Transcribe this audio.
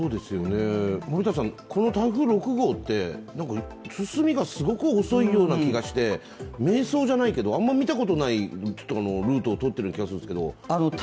森田さん、この台風６号って進みがすごく遅いような気がして、迷走じゃないけど、あまり見たことないルートを通っている気がするんですけれども。